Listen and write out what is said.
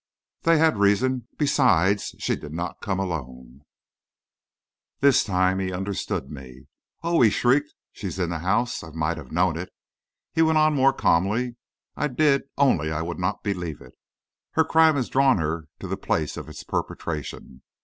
"They had reason; besides, she did not come alone." This time he understood me. "Oh!" he shrieked, "she in the house. I might have known it," he went on more calmly; "I did, only I would not believe it. Her crime has drawn her to the place of its perpetration.